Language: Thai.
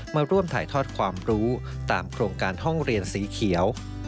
มาร่วมถ่ายทอดความรู้ตามโครงการห้องเรียนสีเขียว